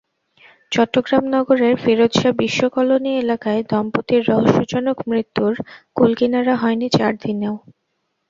চট্টগ্রাম নগরের ফিরোজশাহ বিশ্ব কলোনি এলাকায় দম্পতির রহস্যজনক মৃত্যুর কূলকিনারা হয়নি চার দিনেও।